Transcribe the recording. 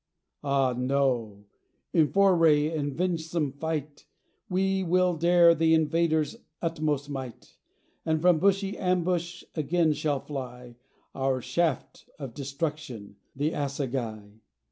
Ah, no; in foray and vengesome fight, We will dare the invader's utmost might; And from bushy ambush again shall fly Our shaft of destruction, the assegai."